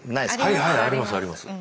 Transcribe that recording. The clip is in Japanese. はいはいありますあります。